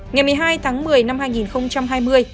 ngày một mươi hai tháng một mươi năm hai nghìn hai mươi